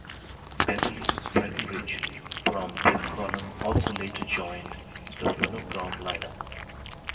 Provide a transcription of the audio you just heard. Beverly Breckenridge from Fifth Column also later joined the Phono-Comb lineup.